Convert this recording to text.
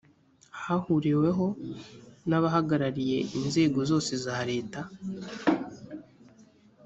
hahuriweho n abahagarariye inzego zose za leta